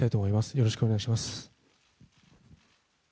よろしくお願いします。